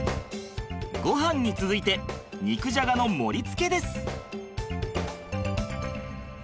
ごはんに続いて肉じゃがの盛りつけです。